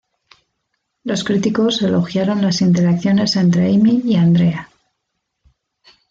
Los críticos elogiaron las interacciones entre Amy y Andrea.